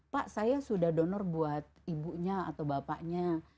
pak saya sudah donor buat ibunya atau bapaknya